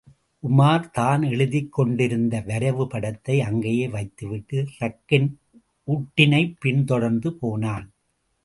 உமார் தான் எழுதிக் கொண்டிருந்த வரைவு படத்தை அங்கேயே வைத்துவிட்டு, ரக்கின் உட்டினைப் பின் தொடர்ந்து போனான்.